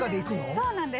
そうなんです。